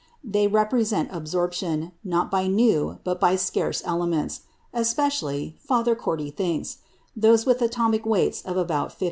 They represent absorption, not by new, but by scarce elements, especially, Father Cortie thinks, those with atomic weights of about 50.